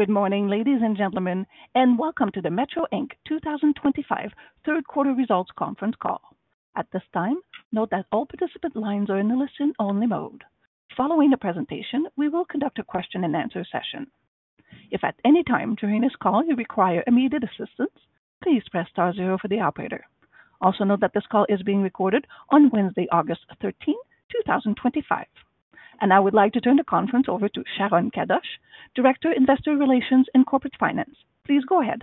Good morning, ladies and gentlemen, and welcome to the Metro Inc. 2025 third quarter results conference call. At this time, note that all participant lines are in the listen-only mode. Following the presentation, we will conduct a question-and-answer session. If at any time during this call you require immediate assistance, please press star zero for the operator. Also note that this call is being recorded on Wednesday, August 13th, 2025. I would like to turn the conference over to Sharon Kadoche, Director of Investor Relations and Corporate Finance. Please go ahead.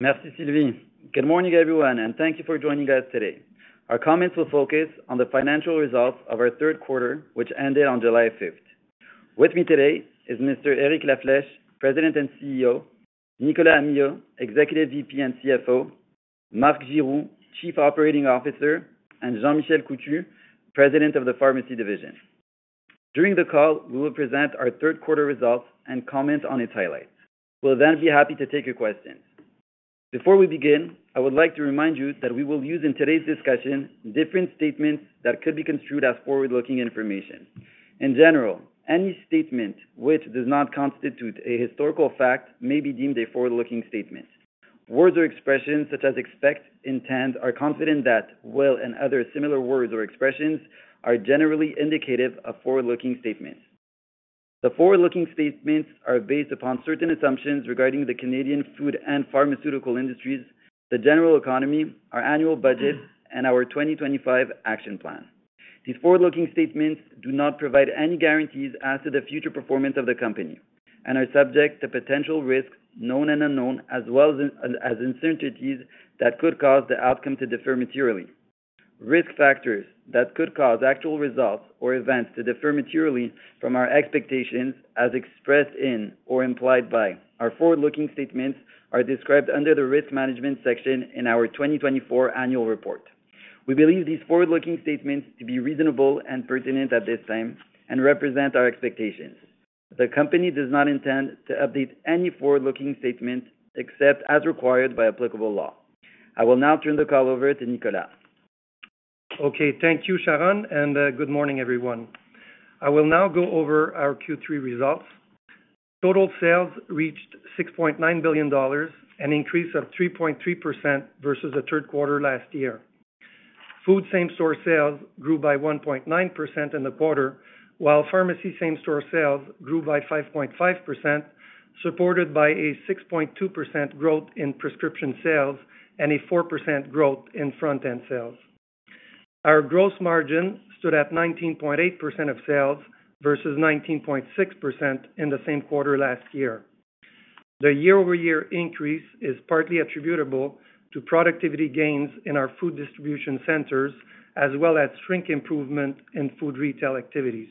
Merci, Sylvie. Good morning, everyone, and thank you for joining us today. Our comments will focus on the financial results of our third quarter, which ended on July 5th. With me today is Mr. Eric La Flèche, President and CEO, Nicolas Amyot, Executive VP and CFO, Marc Giroux, Chief Operating Officer, and Jean-Michel Coutu, President of the Pharmacy Division. During the call, we will present our third quarter results and comment on its highlights. We'll then be happy to take your questions. Before we begin, I would like to remind you that we will use in today's discussion different statements that could be construed as forward-looking information. In general, any statement which does not constitute a historical fact may be deemed a forward-looking statement. Words or expressions such as expect, intend, or confident that will, and other similar words or expressions are generally indicative of forward-looking statements. The forward-looking statements are based upon certain assumptions regarding the Canadian food and pharmaceutical industries, the general economy, our annual budget, and our 2025 action plan. These forward-looking statements do not provide any guarantees as to the future performance of the company and are subject to potential risks, known and unknown, as well as uncertainties that could cause the outcome to differ materially. Risk factors that could cause actual results or events to differ materially from our expectations, as expressed in or implied by our forward-looking statements, are described under the Risk Management section in our 2024 annual report. We believe these forward-looking statements to be reasonable and pertinent at this time and represent our expectations. The company does not intend to update any forward-looking statement except as required by applicable law. I will now turn the call over to Nicolas. Okay, thank you, Sharon, and good morning, everyone. I will now go over our Q3 results. Total sales reached $6.9 billion, an increase of 3.3% versus the third quarter last year. Food same-store sales grew by 1.9% in the quarter, while pharmacy same-store sales grew by 5.5%, supported by a 6.2% growth in prescription sales and a 4% growth in front-end sales. Our gross margin stood at 19.8% of sales versus 19.6% in the same quarter last year. The year-over-year increase is partly attributable to productivity gains in our food distribution centers, as well as shrink improvement in food retail activities.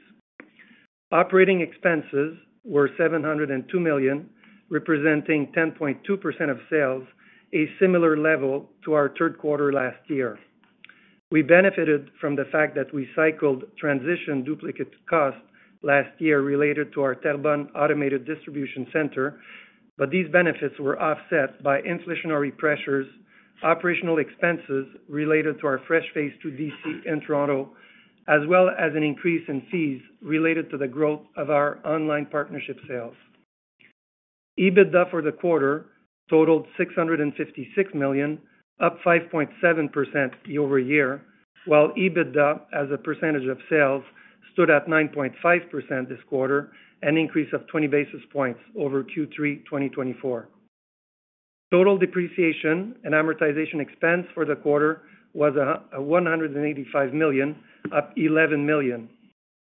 Operating expenses were $702 million, representing 10.2% of sales, a similar level to our third quarter last year. We benefited from the fact that we cycled transition duplicate costs last year related to our Terrebonne automated distribution center, but these benefits were offset by inflationary pressures, operational expenses related to our Fresh phase II DC in Toronto, as well as an increase in fees related to the growth of our online partnership sales. EBITDA for the quarter totaled $656 million, up 5.7% year-over-year, while EBITDA as a percentage of sales stood at 9.5% this quarter, an increase of 20 basis points over Q3 2024. Total depreciation and amortization expense for the quarter was $185 million, up $11 million.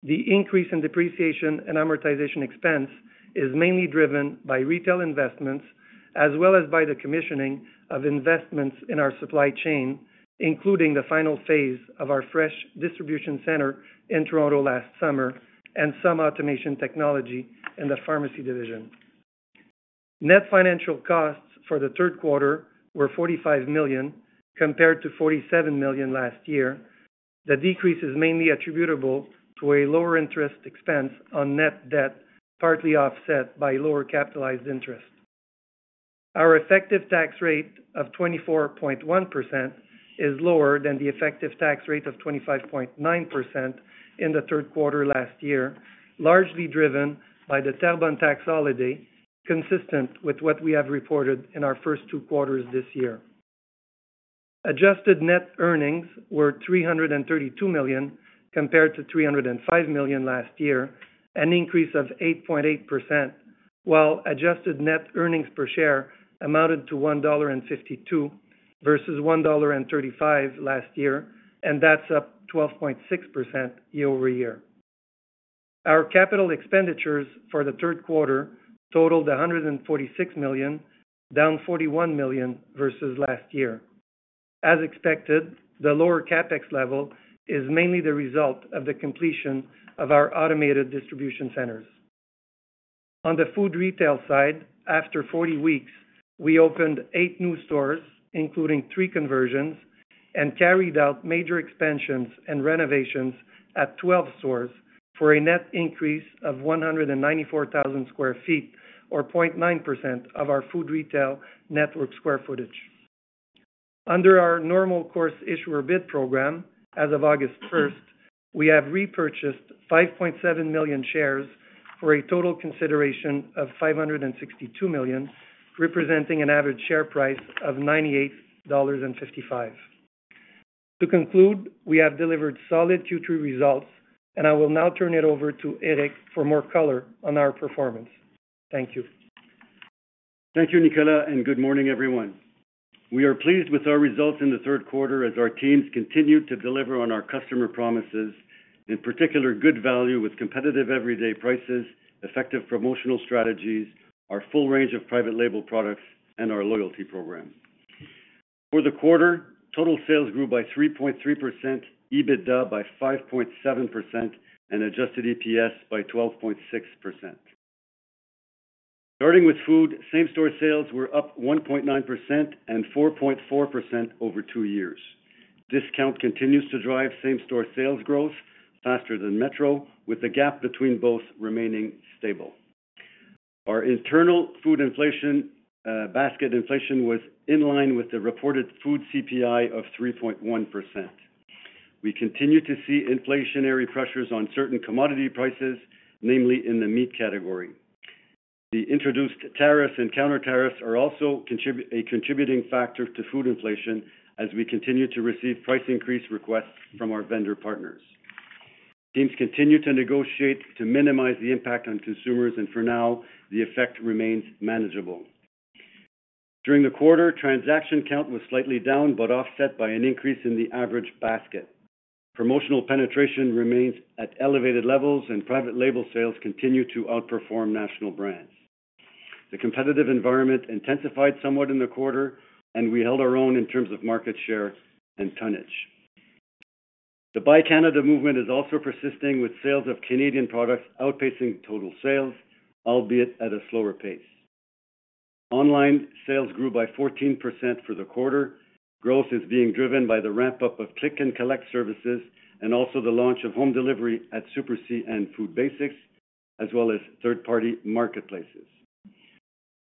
The increase in depreciation and amortization expense is mainly driven by retail investments, as well as by the commissioning of investments in our supply chain, including the final phase of our fresh distribution center in Toronto last summer and some automation technology in the pharmacy division. Net financial costs for the third quarter were $45 million, compared to $47 million last year. The decrease is mainly attributable to a lower interest expense on net debt, partly offset by lower capitalized interest. Our effective tax rate of 24.1% is lower than the effective tax rate of 25.9% in the third quarter last year, largely driven by the Terrebonne tax holiday, consistent with what we have reported in our first two quarters this year. Adjusted net earnings were $332 million, compared to $305 million last year, an increase of 8.8%, while adjusted net earnings per share amounted to $1.52 versus $1.35 last year, and that's up 12.6% year-over-year. Our Capital Expenditures for the third quarter totaled $146 million, down $41 million versus last year. As expected, the lower CapEx level is mainly the result of the completion of our automated distribution centers. On the food retail side, after 40 weeks, we opened eight new stores, including three conversions, and carried out major expansions and renovations at 12 stores for a net increase of 194,000 sq ft, or 0.9% of our food retail network square footage. Under our normal course issuer bid program, as of August 1st, we have repurchased 5.7 million shares for a total consideration of $562 million, representing an average share price of $98.55. To conclude, we have delivered solid Q3 results, and I will now turn it over to Eric for more color on our performance. Thank you. Thank you, Nicolas, and good morning, everyone. We are pleased with our results in the third quarter as our teams continue to deliver on our customer promises, in particular good value with competitive everyday prices, effective promotional strategies, our full range of private label products, and our loyalty program. For the quarter, total sales grew by 3.3%, EBITDA by 5.7%, and adjusted EPS by 12.6%. Starting with food, same-store sales were up 1.9% and 4.4% over two years. Discount continues to drive same-store sales growth faster than Metro, with a gap between both remaining stable. Our internal food inflation, basket inflation, was in line with the reported food CPI of 3.1%. We continue to see inflationary pressures on certain commodity prices, namely in the meat category. The introduced tariffs and counter tariffs are also a contributing factor to food inflation as we continue to receive price increase requests from our vendor partners. Teams continue to negotiate to minimize the impact on consumers, and for now, the effect remains manageable. During the quarter, transaction count was slightly down but offset by an increase in the average basket. Promotional penetration remains at elevated levels, and private label sales continue to outperform national brands. The competitive environment intensified somewhat in the quarter, and we held our own in terms of market share and tonnage. The Buy Canada movement is also persisting, with sales of Canadian products outpacing total sales, albeit at a slower pace. Online sales grew by 14% for the quarter. Growth is being driven by the ramp-up of Click and Collect services and also the launch of home delivery at Super C and Food Basics, as well as third-party marketplaces.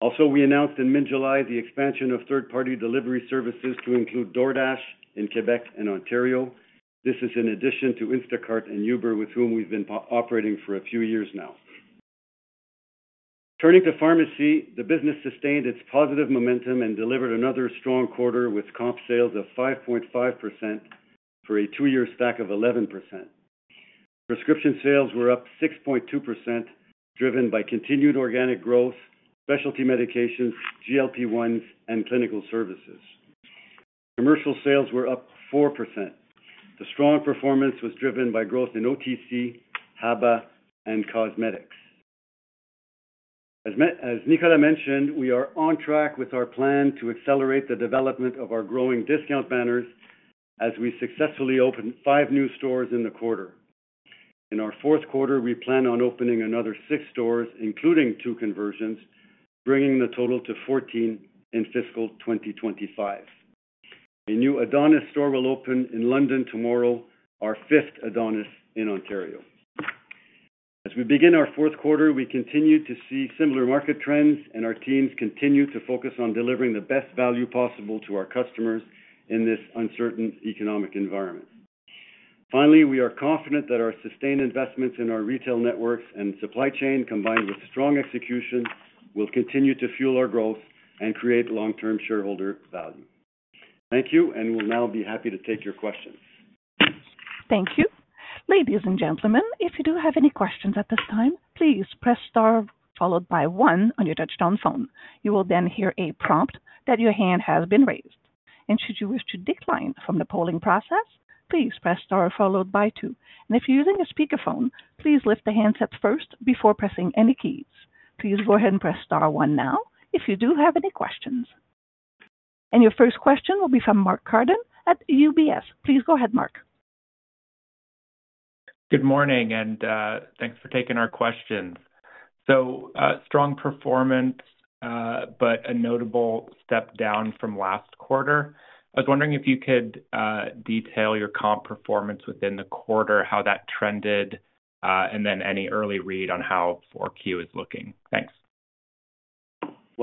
Also, we announced in mid-July the expansion of third-party delivery services to include DoorDash in Quebec and Ontario. This is in addition to Instacart and Uber, with whom we've been operating for a few years now. Turning to pharmacy, the business sustained its positive momentum and delivered another strong quarter with comp sales of 5.5% for a two-year stack of 11%. Prescription sales were up 6.2%, driven by continued organic growth, specialty medications, GLP-1s, and clinical services. Commercial sales were up 4%. The strong performance was driven by growth in OTC, HABA, and cosmetics. As Nicolas mentioned, we are on track with our plan to accelerate the development of our growing discount banners as we successfully opened five new stores in the quarter. In our fourth quarter, we plan on opening another six stores, including two conversions, bringing the total to 14 in fiscal 2025. A new Adonis store will open in London tomorrow, our fifth Adonis in Ontario. As we begin our fourth quarter, we continue to see similar market trends, and our teams continue to focus on delivering the best value possible to our customers in this uncertain economic environment. Finally, we are confident that our sustained investments in our retail networks and supply chain, combined with strong execution, will continue to fuel our growth and create long-term shareholder value. Thank you, and we'll now be happy to take your questions. Thank you. Ladies and gentlemen, if you do have any questions at this time, please press star followed by one on your touch-tone phone. You will then hear a prompt that your hand has been raised. Should you wish to decline from the polling process, please press star followed by two. If you're using a speakerphone, please lift the handset first before pressing any keys. Please go ahead and press star one now if you do have any questions. Your first question will be from Mark Carden at UBS. Please go ahead, Mark. Good morning, and thanks for taking our question. Strong performance, but a notable step down from last quarter. I was wondering if you could detail your comp performance within the quarter, how that trended, and then any early read on how 4Q is looking. Thanks.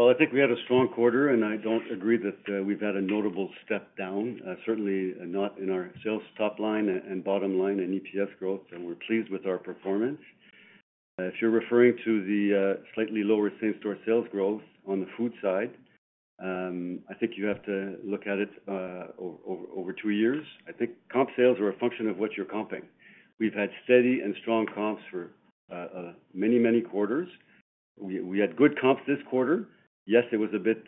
I think we had a strong quarter, and I don't agree that we've had a notable step down, certainly not in our sales top line and bottom line and EPS growth, and we're pleased with our performance. If you're referring to the slightly lower same-store sales growth on the food side, I think you have to look at it over two years. I think comp sales are a function of what you're comping. We've had steady and strong comps for many, many quarters. We had good comps this quarter. Yes, it was a bit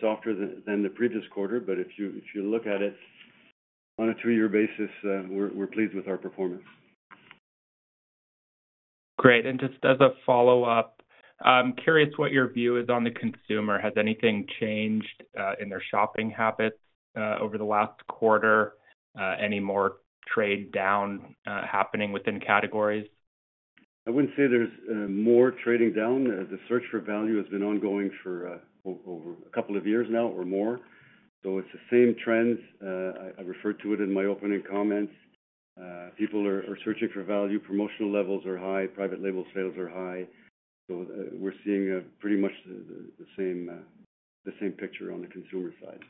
softer than the previous quarter, but if you look at it on a two-year basis, we're pleased with our performance. Great, and just as a follow-up, I'm curious what your view is on the consumer. Has anything changed in their shopping habits over the last quarter? Any more trade down happening within categories? I wouldn't say there's more trading down. The search for value has been ongoing for a couple of years now or more. It's the same trends. I referred to it in my opening comments. People are searching for value. Promotional levels are high. Private label sales are high. We're seeing pretty much the same picture on the consumer side.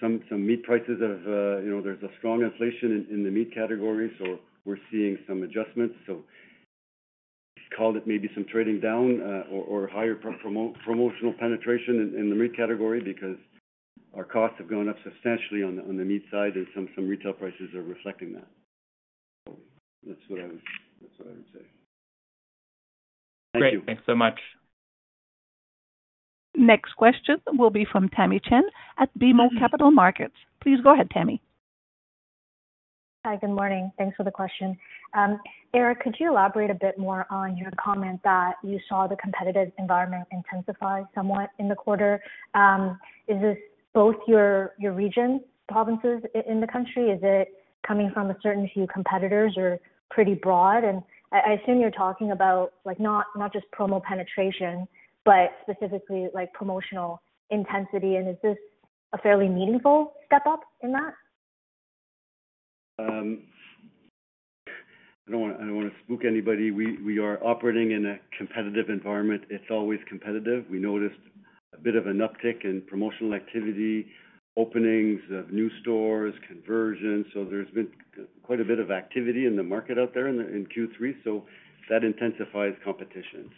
Some meat prices have, you know, there's a strong inflation in the meat category, so we're seeing some adjustments. You called it maybe some trading down or higher promotional penetration in the meat category because our costs have gone up substantially on the meat side, and some retail prices are reflecting that. That's what I would say. Thank you. Thanks so much. Next question will be from Tamy Chen at BMO Capital Markets. Please go ahead, Tamy. Hi, good morning. Thanks for the question. Eric, could you elaborate a bit more on your comment that you saw the competitive environment intensify somewhat in the quarter? Is this both your region, provinces in the country? Is it coming from a certain few competitors or pretty broad? I assume you're talking about like not just promo penetration, but specifically like promotional intensity. Is this a fairly meaningful step up in that? I don't want to spook anybody. We are operating in a competitive environment. It's always competitive. We noticed a bit of an uptick in promotional activity, openings of new stores, conversions. There's been quite a bit of activity in the market out there in Q3. That intensifies competition.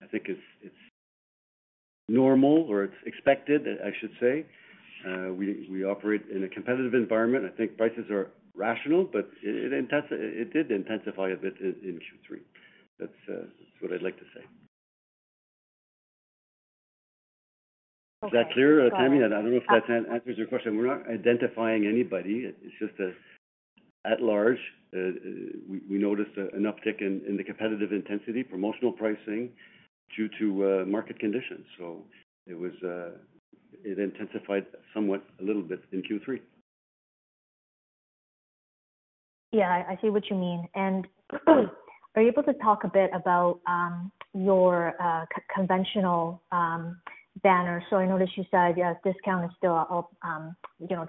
I think it's normal or it's expected, I should say. We operate in a competitive environment. I think prices are rational, but it did intensify a bit in Q3. That's what I'd like to say. Is that clear, Tamy? I don't know if that answers your question. We're not identifying anybody. It's just at large, we noticed an uptick in the competitive intensity, promotional pricing due to market conditions. It intensified somewhat, a little bit in Q3. I see what you mean. Are you able to talk a bit about your conventional banner? I noticed you said discount is still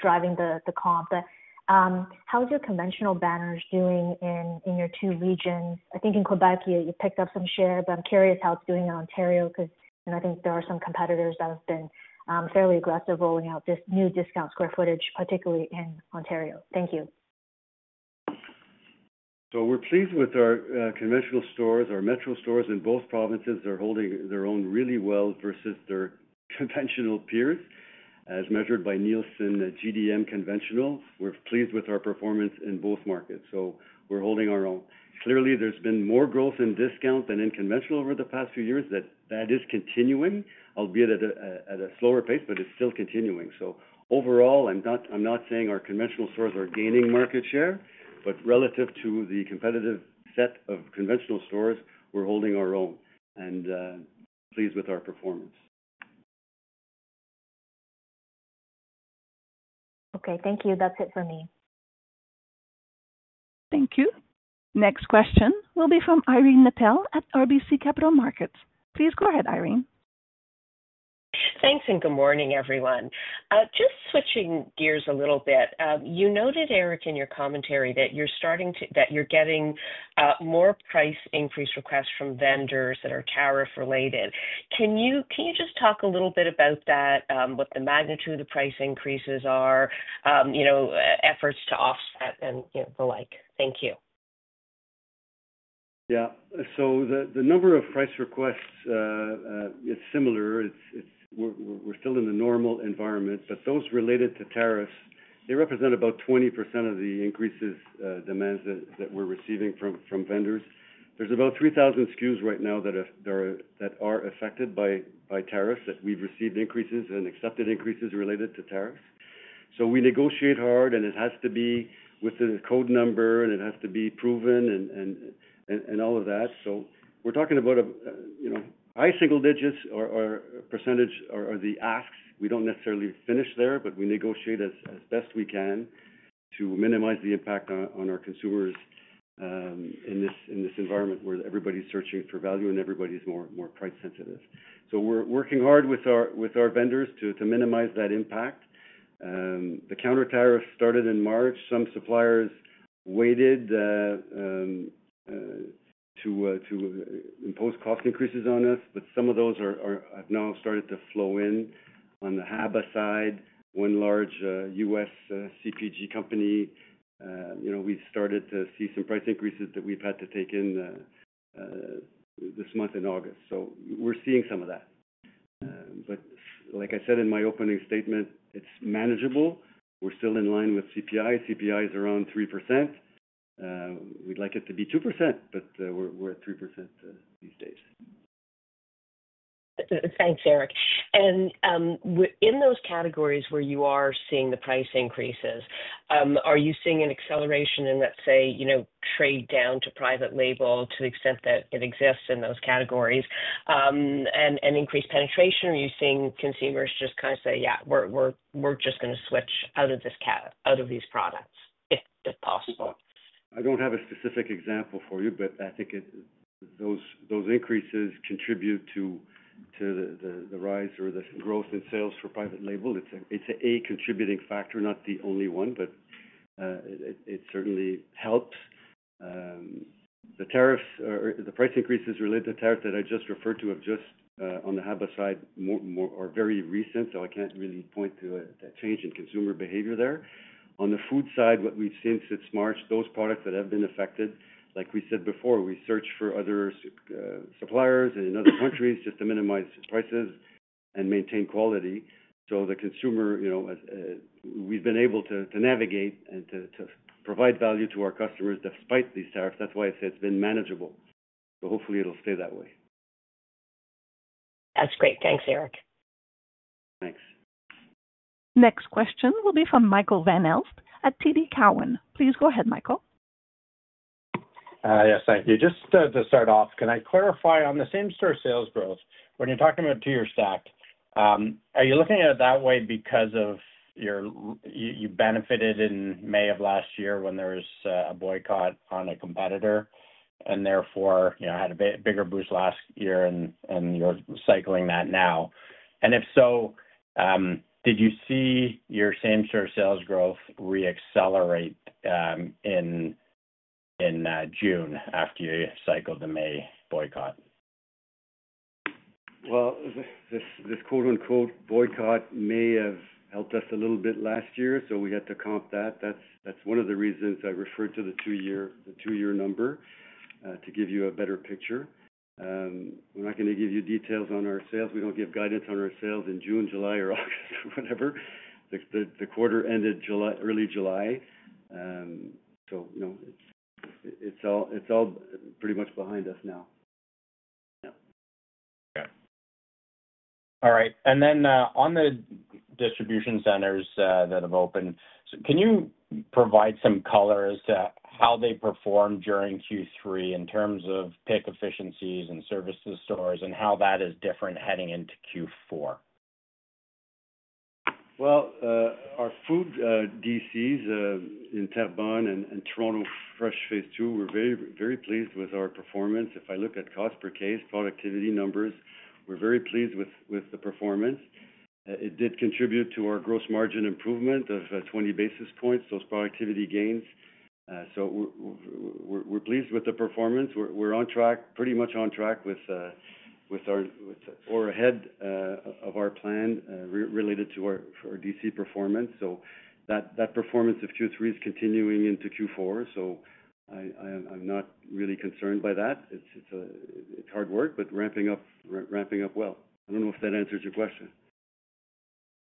driving the comp, but how is your conventional banners doing in your two regions? I think in Quebec, you picked up some share. I'm curious how it's doing in Ontario because I think there are some competitors that have been fairly aggressive rolling out this new discount square footage, particularly in Ontario. Thank you. We're pleased with our conventional stores. Our Metro stores in both provinces are holding their own really well versus their conventional peers, as measured by Nielsen GDM Conventional. We're pleased with our performance in both markets. We're holding our own. Clearly, there's been more growth in discount than in conventional over the past few years. That is continuing, albeit at a slower pace, but it's still continuing. Overall, I'm not saying our conventional stores are gaining market share, but relative to the competitive set of conventional stores, we're holding our own and pleased with our performance. Okay, thank you. That's it for me. Thank you. Next question will be from Irene Nattel at RBC Capital Markets. Please go ahead, Irene. Thanks, and good morning, everyone. Just switching gears a little bit, you noted, Eric, in your commentary that you're starting to, that you're getting more price increase requests from vendors that are tariff-related. Can you just talk a little bit about that, what the magnitude of the price increases are, you know, efforts to offset and the like? Thank you. Yeah, so the number of price requests, it's similar. We're still in the normal environment, but those related to tariffs, they represent about 20% of the increases demands that we're receiving from vendors. There's about 3,000 SKUs right now that are affected by tariffs that we've received increases and accepted increases related to tariffs. We negotiate hard, and it has to be with a code number, and it has to be proven and all of that. We're talking about, you know, high single digits or percentage are the asks. We don't necessarily finish there, but we negotiate as best we can to minimize the impact on our consumers in this environment where everybody's searching for value and everybody's more price sensitive. We're working hard with our vendors to minimize that impact. The counter tariff started in March. Some suppliers waited to impose cost increases on us, but some of those have now started to flow in. On the HABA side, one large U.S. CPG company, you know, we've started to see some price increases that we've had to take in this month in August. We're seeing some of that. Like I said in my opening statement, it's manageable. We're still in line with CPI. CPI is around 3%. We'd like it to be 2%, but we're at 3% these days. Thanks, Eric. In those categories where you are seeing the price increases, are you seeing an acceleration in, let's say, you know, trade down to private label to the extent that it exists in those categories and increased penetration, or are you seeing consumers just kind of say, yeah, we're just going to switch out of these products if possible? I don't have a specific example for you, but I think those increases contribute to the rise or the growth in sales for private label. It's a contributing factor, not the only one, but it certainly helps. The price increases related to tariffs that I just referred to on the HABA side are very recent, so I can't really point to a change in consumer behavior there. On the food side, what we've seen since March, those products that have been affected, like we said before, we search for other suppliers in other countries just to minimize prices and maintain quality. The consumer, you know, we've been able to navigate and to provide value to our customers despite these tariffs. That's why I say it's been manageable. Hopefully, it'll stay that way. That's great. Thanks, Eric. Thanks. Next question will be from Michael Van Aelst at TD Cowen. Please go ahead, Michael. Yes, thank you. Just to start off, can I clarify on the same-store sales growth, when you're talking about two-year stack, are you looking at it that way because you benefited in May of last year when there was a boycott on a competitor and therefore, you know, had a bigger boost last year and you're cycling that now? If so, did you see your same-store sales growth reaccelerate in June after you cycled the May boycott? This quote-unquote boycott may have helped us a little bit last year, so we had to comp that. That's one of the reasons I referred to the two-year number to give you a better picture. We're not going to give you details on our sales. We don't give guidance on our sales in June, July, or August, or whatever. The quarter ended early July, so it's all pretty much behind us now. All right. On the distribution centers that have opened, can you provide some color as to how they performed during Q3 in terms of pick efficiencies and services stores, and how that is different heading into Q4? Our food DCs in Terrebonne and Toronto Fresh phase II were very pleased with our performance. If I look at cost per case productivity numbers, we're very pleased with the performance. It did contribute to our gross margin improvement of 20 basis points, those productivity gains. We're pleased with the performance. We're on track, pretty much on track with our head of our plan related to our DC performance. That performance of Q3 is continuing into Q4. I'm not really concerned by that. It's hard work, but ramping up well. I don't know if that answers your question.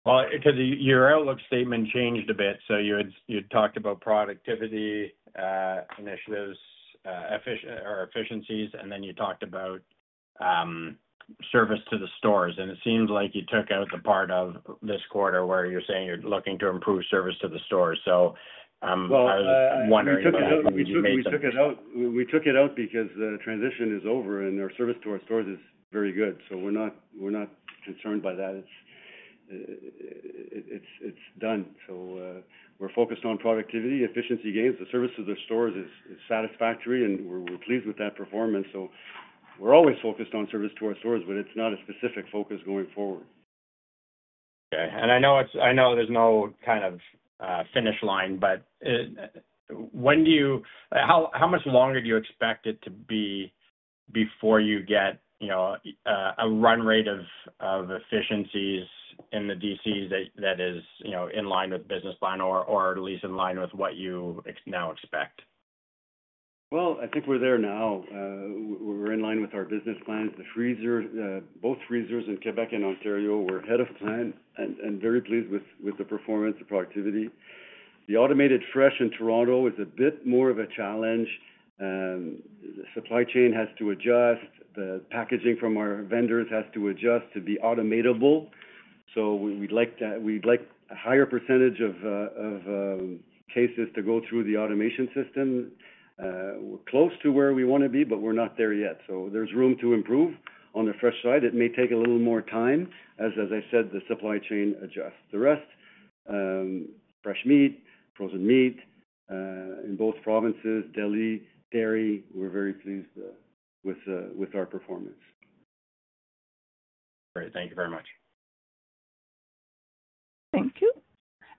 Your outlook statement changed a bit. You had talked about productivity initiatives or efficiencies, and then you talked about service to the stores. It seems like you took out the part of this quarter where you're saying you're looking to improve service to the stores. I was wondering. We took it out because the transition is over and our service to our stores is very good. We're not concerned by that. It's done. We're focused on productivity, efficiency gains. The service to the stores is satisfactory and we're pleased with that performance. We're always focused on service to our stores, but it's not a specific focus going forward. Okay. I know there's no kind of finish line, but when do you, how much longer do you expect it to be before you get a run rate of efficiencies in the DCs that is in line with the business plan or at least in line with what you now expect? I think we're there now. We're in line with our business plans. The freezer, both freezers in Quebec and Ontario, were ahead of plan and very pleased with the performance, the productivity. The automated fresh in Toronto is a bit more of a challenge. The supply chain has to adjust. The packaging from our vendors has to adjust to be automatable. We'd like a higher percentage of cases to go through the automation system. We're close to where we want to be, but we're not there yet. There's room to improve on the fresh side. It may take a little more time, as I said, the supply chain adjusts. The rest, fresh meat, frozen meat, in both provinces, deli, dairy, we're very pleased with our performance. Great. Thank you very much.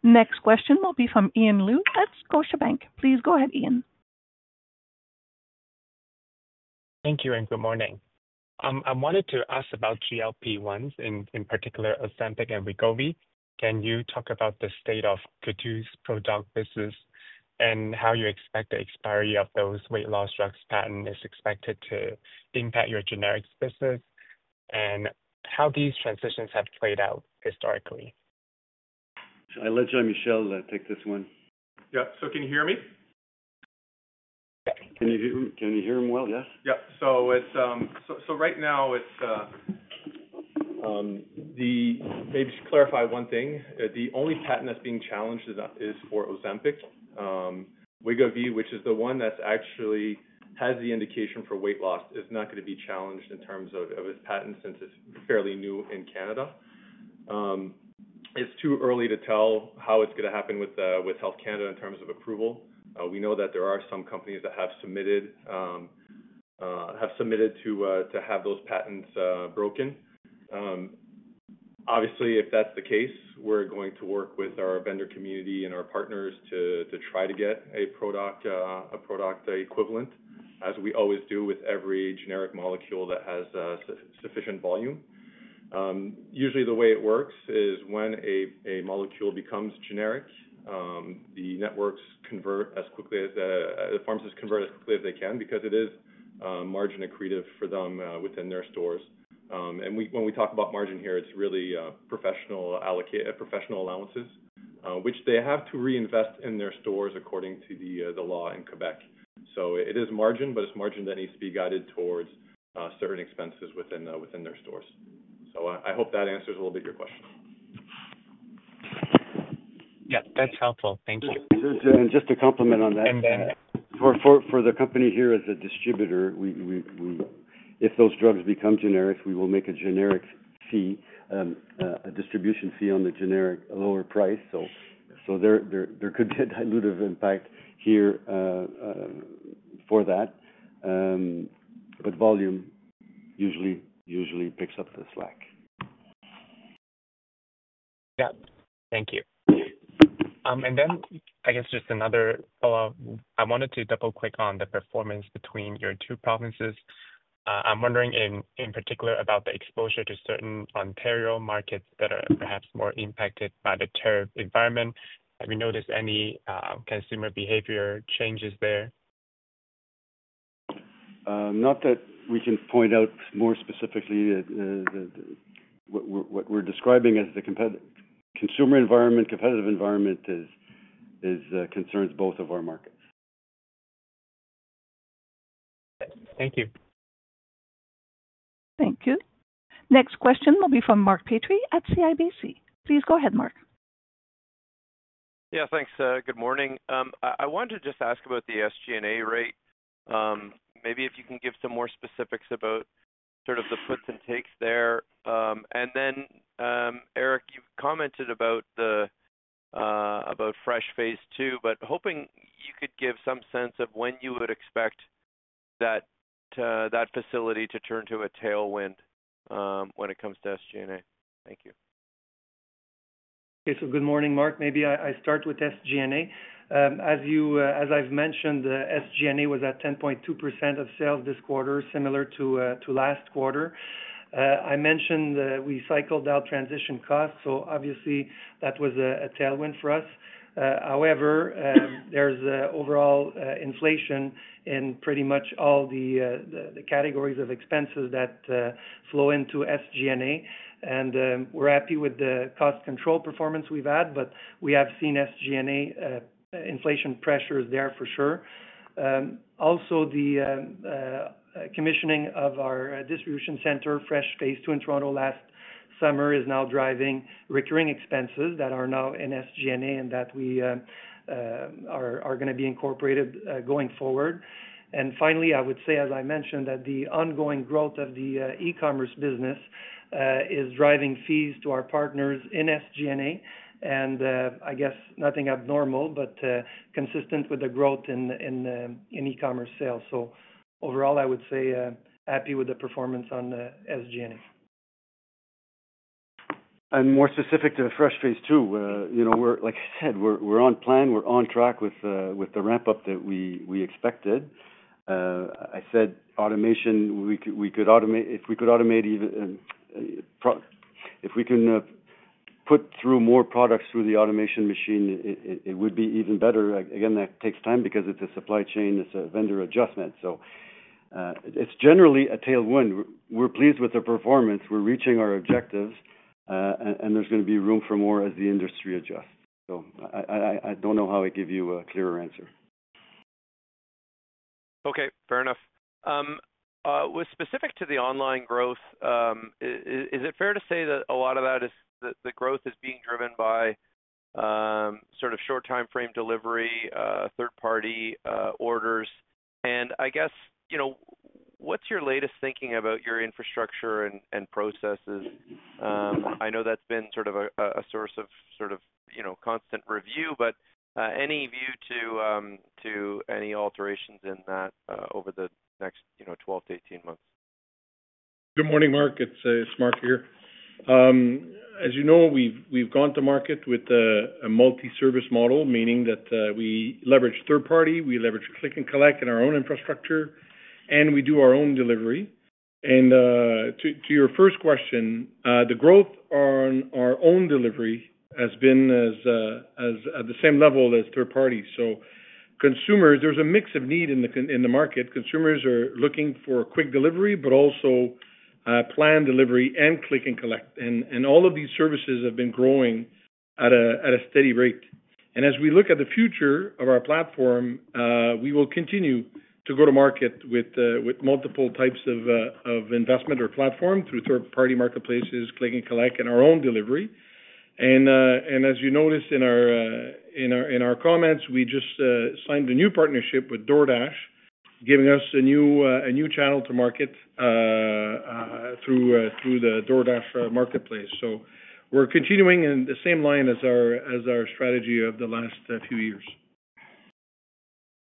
Thank you. Next question will be from Yiyang Liu at Scotiabank. Please go ahead, Yiyang. Thank you, and good morning. I wanted to ask about GLP-1s, in particular Ozempic and Wegovy. Can you talk about the state of your product business and how you expect the expiry of those weight loss drugs' patents is expected to impact your generic business and how these transitions have played out historically? Should I let Jean-Michel take this one? Can you hear me? Can you hear him well? Yes. Yeah. Right now, maybe I should clarify one thing. The only patent that's being challenged is for Ozempic. Wegovy, which is the one that actually has the indication for weight loss, is not going to be challenged in terms of its patent since it's fairly new in Canada. It's too early to tell how it's going to happen with Health Canada in terms of approval. We know that there are some companies that have submitted to have those patents broken. Obviously, if that's the case, we're going to work with our vendor community and our partners to try to get a product equivalent, as we always do with every generic molecule that has sufficient volume. Usually, the way it works is when a molecule becomes generic, the networks convert as quickly as the pharmacists convert as quickly as they can because it is margin accretive for them within their stores. When we talk about margin here, it's really professional allowances, which they have to reinvest in their stores according to the law in Quebec. It is margin, but it's margin that needs to be guided towards certain expenses within their stores. I hope that answers a little bit of your question. Yeah, that's helpful. Thank you. To complement on that, for the company here as a distributor, if those drugs become generics, we will make a generic fee, a distribution fee on the generic lower price. There could be a dilutive impact here for that, but volume usually picks up the slack. Thank you. I guess just another, I wanted to double click on the performance between your two provinces. I'm wondering in particular about the exposure to certain Ontario markets that are perhaps more impacted by the tariff environment. Have you noticed any consumer behavior changes there? Not that we can point out more specifically that what we're describing as the consumer environment, competitive environment concerns both of our markets. Thank you. Thank you. Next question will be from Mark Petrie at CIBC. Please go ahead, Mark. Yeah, thanks. Good morning. I wanted to just ask about the SG&A rate. Maybe if you can give some more specifics about sort of the puts and takes there. Eric, you've commented about Fresh phase II, but hoping you could give some sense of when you would expect that facility to turn to a tailwind when it comes to SG&A. Thank you. Okay, so good morning, Mark. Maybe I start with SG&A. As I've mentioned, SG&A was at 10.2% of sales this quarter, similar to last quarter. I mentioned that we cycled out transition costs, so obviously that was a tailwind for us. However, there's overall inflation in pretty much all the categories of expenses that flow into SG&A. We're happy with the cost control performance we've had, but we have seen SG&A inflation pressures there for sure. Also, the commissioning of our distribution center, Fresh phase II in Toronto last summer, is now driving recurring expenses that are now in SG&A and that we are going to be incorporated going forward. Finally, I would say, as I mentioned, that the ongoing growth of the e-commerce business is driving fees to our partners in SG&A. I guess nothing abnormal, but consistent with the growth in e-commerce sales. Overall, I would say happy with the performance on SG&A. More specific to Fresh phase II, like I said, we're on plan, we're on track with the ramp-up that we expected. I said automation, we could automate, if we could automate even, if we can put through more products through the automation machine, it would be even better. That takes time because it's a supply chain, it's a vendor adjustment. It's generally a tailwind. We're pleased with the performance, we're reaching our objectives, and there's going to be room for more as the industry adjusts. I don't know how I give you a clearer answer. Okay, fair enough. With specific to the online growth, is it fair to say that a lot of that growth is being driven by sort of short timeframe delivery, third-party orders? I guess, what's your latest thinking about your infrastructure and processes? I know that's been a source of constant review, but any view to any alterations in that over the next 12-18 months? Good morning, Mark. It's Marc here. As you know, we've gone to market with a multi-service model, meaning that we leverage third party, we leverage Click and Collect in our own infrastructure, and we do our own delivery. To your first question, the growth on our own delivery has been at the same level as third parties. Consumers, there's a mix of need in the market. Consumers are looking for quick delivery, but also planned delivery and Click and Collect. All of these services have been growing at a steady rate. As we look at the future of our platform, we will continue to go to market with multiple types of investment or platform through third-party marketplaces, Click and Collect, and our own delivery. As you noticed in our comments, we just signed a new partnership with DoorDash, giving us a new channel to market through the DoorDash marketplace. We're continuing in the same line as our strategy of the last few years.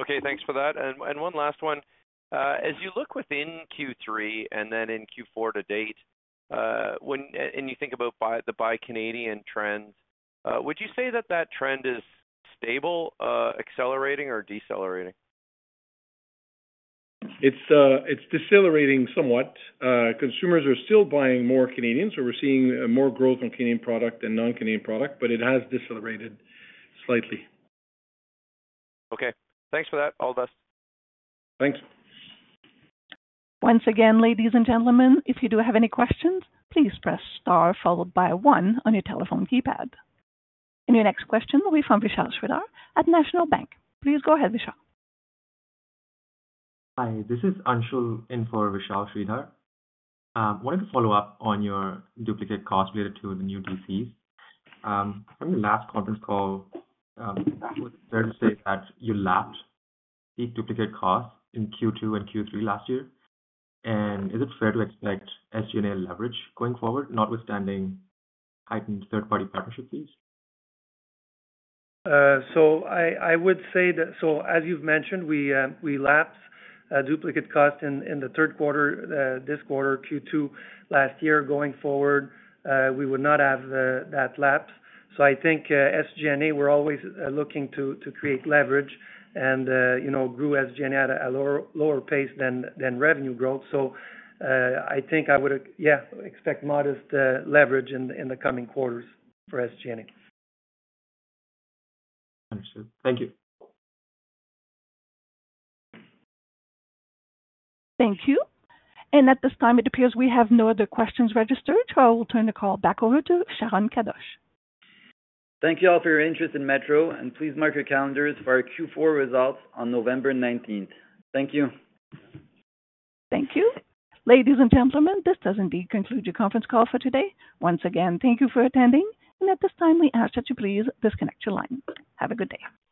Okay, thanks for that. One last one. As you look within Q3 and then in Q4 to date, and you think about the buy Canadian trend, would you say that that trend is stable, accelerating, or decelerating? It's decelerating somewhat. Consumers are still buying more Canadians, so we're seeing more growth on Canadian product and non-Canadian product, but it has decelerated slightly. Okay, thanks for that. All the best. Thanks. Once again, ladies and gentlemen, if you do have any questions, please press star followed by one on your telephone keypad. Your next question will be from Vishal Sridhar at National Bank. Please go ahead, Vishal. Hi, this is Anshul in for Vishal Sridhar. I wanted to follow up on your duplicate costs related to the new DCs. From your last conference call, it was fair to say that you lapped peak duplicate costs in Q2 and Q3 last year. Is it fair to expect SG&A leverage going forward, notwithstanding heightened third-party partnership fees? As you've mentioned, we lapped duplicate costs in the third quarter, this quarter, Q2 last year. Going forward, we would not have that lapse. I think SG&A, we're always looking to create leverage and grew SG&A at a lower pace than revenue growth. I would expect modest leverage in the coming quarters for SG&A. Understood. Thank you. Thank you. At this time, it appears we have no other questions registered, so I will turn the call back over to Sharon Kadoche. Thank you all for your interest in Metro., and please mark your calendars for our Q4 results on November 19th. Thank you. Thank you. Ladies and gentlemen, this does indeed conclude your conference call for today. Once again, thank you for attending, and at this time, we ask that you please disconnect your lines. Have a good day.